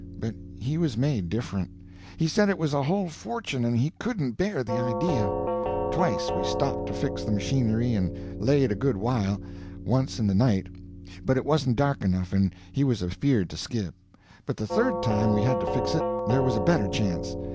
But he was made different. He said it was a whole fortune and he couldn't bear the idea. Twice we stopped to fix the machinery and laid a good while, once in the night; but it wasn't dark enough, and he was afeard to skip. But the third time we had to fix it there was a better chance.